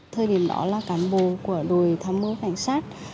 thời điểm đó là cán bộ của đội tham mưu cảnh sát